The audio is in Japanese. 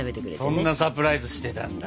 そんなサプライズしてたんだ。